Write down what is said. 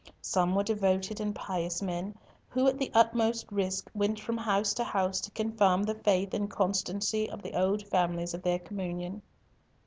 Some were devoted and pious men, who at the utmost risk went from house to house to confirm the faith and constancy of the old families of their own communion.